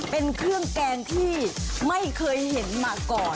เป็นเครื่องแกงที่ไม่เคยเห็นมาก่อน